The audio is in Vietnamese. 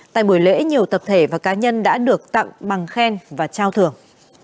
tại buổi lễ nhiều tập thể và cá nhân đã được tặng bằng khen và trao thưởng